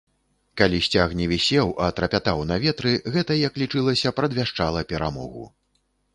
Калі сцяг не вісеў, а трапятаў на ветры, гэта, як лічылася, прадвяшчала перамогу.